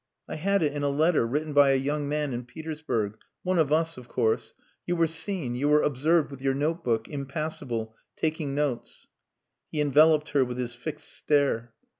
"I had it in a letter, written by a young man in Petersburg; one of us, of course. You were seen you were observed with your notebook, impassible, taking notes...." He enveloped her with his fixed stare.